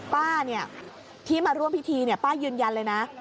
ป้าเนี่ยที่มาร่วมพิธีเนี่ยป้ายืนยันเลยนะ